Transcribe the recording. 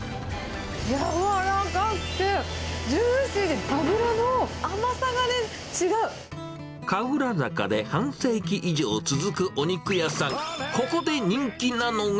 やわらかくて、ジューシーで、神楽坂で半世紀以上続くお肉屋さん。